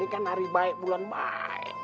ini kan hari baik bulan baik